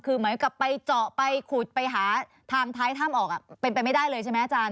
คือเหมือนกับไปเจาะไปขุดไปหาทางท้ายถ้ำออกเป็นไปไม่ได้เลยใช่ไหมอาจารย์